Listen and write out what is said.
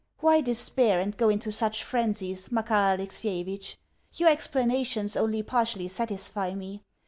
Why despair and go into such frenzies, Makar Alexievitch? Your explanations only partially satisfy me.